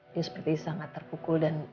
dia seperti sangat terpukul dan